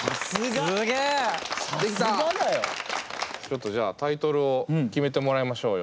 ちょっとじゃあタイトルを決めてもらいましょうよ。